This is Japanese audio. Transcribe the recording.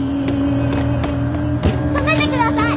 止めてください！